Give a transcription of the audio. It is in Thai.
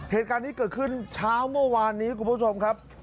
เหตุการณ์นี้เกิดขึ้นเช้าเมื่อวานนี้คุณผู้ชมครับ